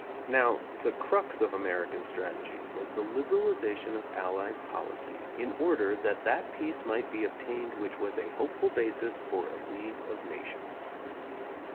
Now the crux of American strategy was the lib eralization of Allied policy in order that that peace might be obtained which was a hopeful basis for a League of Nations.